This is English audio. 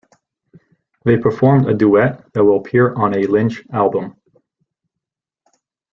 They performed a duet that will appear on a Lynch album.